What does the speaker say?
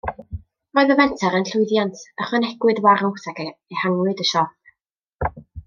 Roedd y fenter yn llwyddiant, ychwanegwyd warws ac ehangwyd y siop.